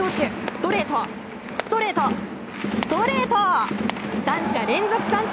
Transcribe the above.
ストレート、ストレートストレート！